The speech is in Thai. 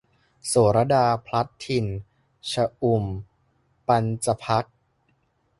โศรดาพลัดถิ่น - ชอุ่ม ปํญจพรรค์